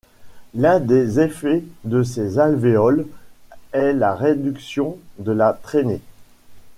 L'un des effets de ces alvéoles est la réduction de la traînée.